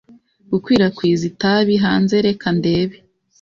Gukwirakwiza itapi hanze reka ndebe.